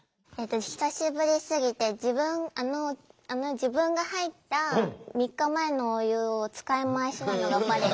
久しぶりすぎて自分が入った３日前のお湯を使い回しなのがバレた。